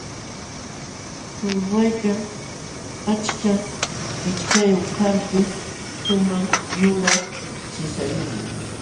Tuqulluwaykaq achka kichkayuq kalpis shumaq yulaq sisayuqmi.